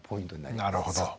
なるほど。